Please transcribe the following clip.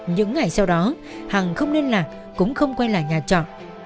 những ngày sau đó hằng không liên lạc cũng không quay lại nhà trọ